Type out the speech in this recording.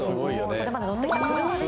これまで乗ってきた車です